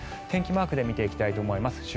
天気マークで見ていきたいと思います。